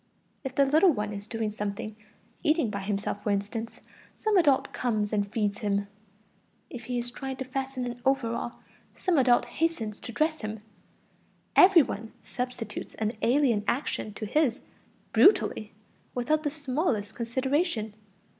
If the little one is doing something, eating by himself, for instance, some adult comes and feeds him; if he is trying to fasten an overall, some adult hastens to dress him; every one substitutes an alien action to his, brutally, without the smallest consideration.